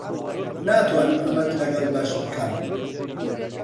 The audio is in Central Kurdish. ناتوانم ئەمەت لەگەڵ بەش بکەم.